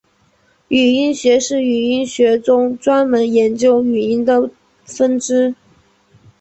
语音学是语言学中专门研究语音的分支。